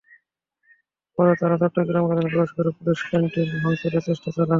পরে তাঁরা চট্টগ্রাম কলেজে প্রবেশ করে পুলিশ ক্যানটিন ভাঙচুরের চেষ্টা চালান।